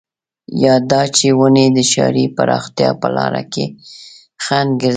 يا دا چې ونې د ښاري پراختيا په لاره کې خنډ ګرځي.